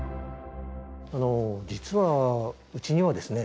実はうちにはですね